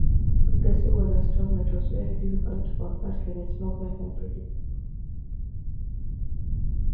Gracie was a storm that was very difficult to forecast, with its movement unpredictable.